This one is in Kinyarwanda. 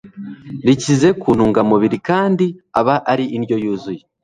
rikize ku ntungamubiri, kandi aba ari indyo yuzuye